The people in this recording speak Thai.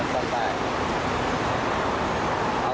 ผู้หัวสืบส่อมตอนใต้